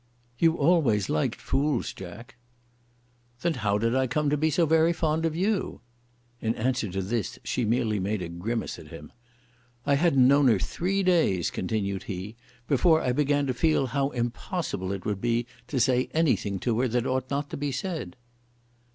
"You always liked fools, Jack." "Then how did I come to be so very fond of you." In answer to this she merely made a grimace at him. "I hadn't known her three days," continued he, "before I began to feel how impossible it would be to say anything to her that ought not to be said."